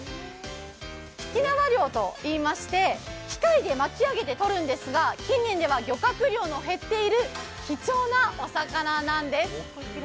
曵縄漁といいまして機械で巻き上げてとるんですが近年では漁獲量の減っている貴重なお魚なんです。